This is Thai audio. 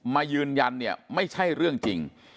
มายืนยันเนี่ยไม่ใช่เรื่องจริง